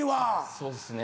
そうですね。